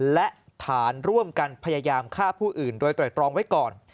และฐานร่วมกันพยายามฆ่าผู้อื่นโดยไตรตรองไว้ก่อน